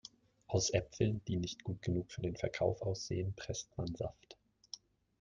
Aus Äpfeln, die nicht gut genug für den Verkauf aussehen, presst man Saft.